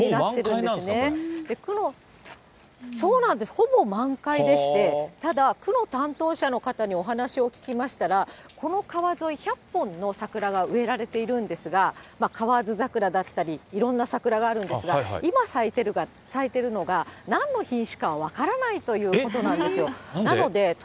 ほぼ満開でして、ただ、区の担当者の方にお話を聞きましたら、この川沿い、１００本の桜が植えられているんですが、カワヅザクラだったり、いろんな桜があるんですが、今咲いているのが、なんの品種かは分からないということなんですよ。